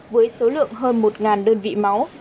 với số lượng hơn một đơn vị máu